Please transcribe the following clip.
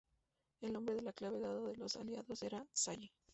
El nombre en clave dado por los aliados era "Sally".